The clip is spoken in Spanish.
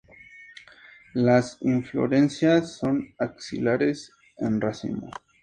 Las inflorescencias son axilares en racimos.